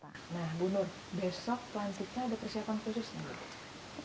nah bu nur besok pelantiknya ada persiapan khusus